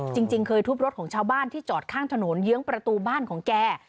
จริงเคยทุบรถของชาวบ้านที่จอดข้างถนนเยื้องประตูบ้านของแก